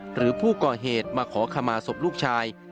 หรือผู้ก่อเหตุมาขอขมาศพลูกชาย